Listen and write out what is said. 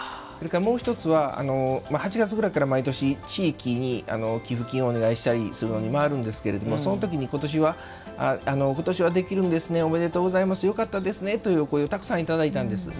もう１つは、８月ぐらいから毎年、地域に寄付金をお願いしたりするのに回るんですけれども今年はできるんですねおめでとうございますよかったですね！というお声をたくさんいただいたんです。